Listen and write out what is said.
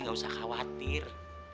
gak usah khawatir